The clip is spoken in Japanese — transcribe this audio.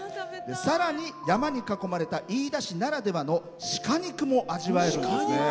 さらに、山に囲まれた飯田市ならではの鹿肉も味わえるんですね。